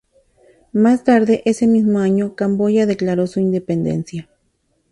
Más tarde ese mismo año Camboya declaró su independencia.